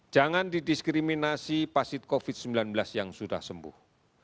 jangan didiskriminasi pasien covid sembilan belas yang sudah sembuh